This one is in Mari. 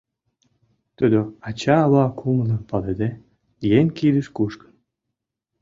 Тудо ача-ава кумылым палыде, еҥ кидеш кушкын.